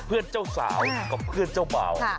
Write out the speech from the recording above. เพื่อนเจ้าสาวกับเพื่อนเจ้าเป่า